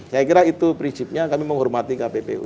saya kira itu prinsipnya kami menghormati kppu